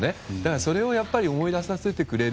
それを思い出させてくれる。